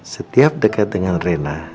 setiap dekat dengan rena